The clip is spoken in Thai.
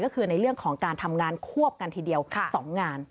ก็คือในเรื่องของการทำงานควบกันทีเดียว๒งาน